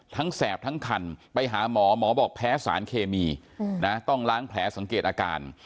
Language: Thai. แสบทั้งคันไปหาหมอหมอบอกแพ้สารเคมีต้องล้างแผลสังเกตอาการ